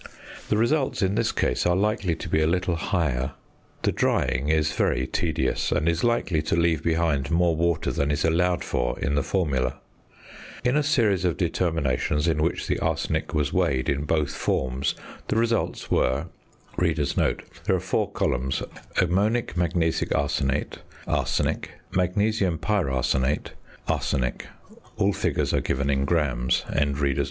The results in this case are likely to be a little higher. The drying is very tedious, and is likely to leave behind more water than is allowed for in the formula. In a series of determinations in which the arsenic was weighed in both forms, the results were: Ammonic magnesic Arsenic Magnesium Pyrarsenate Arsenic Arsenate in grams. in grams. in grams.